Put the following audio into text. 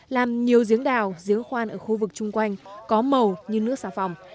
làm nhiều giếng đào giếng khoan ở khu vực chung quanh có màu như nước xà phòng